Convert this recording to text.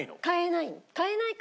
買えない。